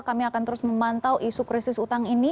kami akan terus memantau isu krisis utang ini